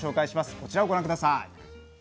こちらをご覧下さい。